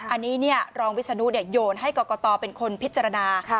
อันนี้รองวิศนุโยนให้กรกตเป็นคนพิจารณา